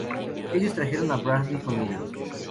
Ellos trajeron a Bradley con ellos.